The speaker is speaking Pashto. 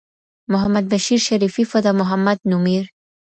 محمدبشير شريفي فدامحمد نومير